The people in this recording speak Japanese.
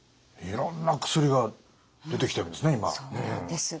いろんな薬が出てきてるんですね